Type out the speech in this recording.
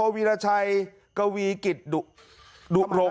สวัสดีครับทุกคน